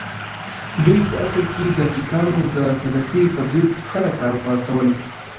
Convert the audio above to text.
دوی په اصل کې د سیکهانو د سلطې پر ضد خلک را وپاڅول.